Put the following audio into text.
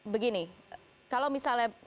begini kalau misalnya